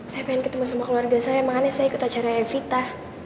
saya pengen ketemu sama keluarga saya makanya saya ikut acara evita